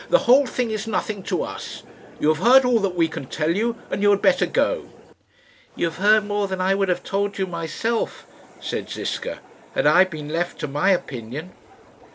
"The whole thing is nothing to us. You have heard all that we can tell you, and you had better go." "You have heard more than I would have told you myself," said Ziska, "had I been left to my opinion."